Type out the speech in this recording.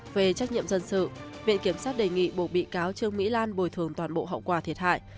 về trách nhiệm dân sự viện kiểm sát đề nghị buộc bị cáo trương mỹ lan bồi thường toàn bộ hậu quả thiệt hại